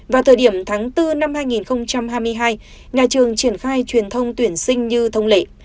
vào thời điểm tháng bốn năm hai nghìn hai mươi hai nhà trường triển khai truyền thông tuyển sinh như thông lệ